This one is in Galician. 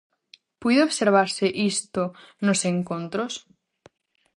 Puido observarse isto nos encontros?